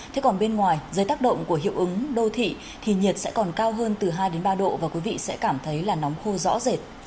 thế còn bên ngoài dưới tác động của hiệu ứng đô thị thì nhiệt sẽ còn cao hơn từ hai đến ba độ và quý vị sẽ cảm thấy là nóng khô rõ rệt